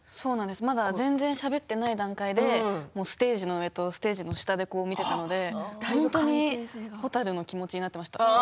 まだ全然しゃべっていない段階でステージの上と下で見ていたので本当にほたるの気持ちになりました。